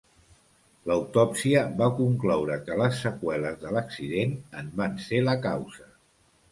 L'autòpsia va concloure que les seqüeles de l'accident en van ser la causa.